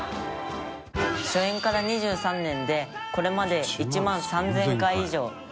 「初演から２３年でこれまで１万３０００回以上上演しています」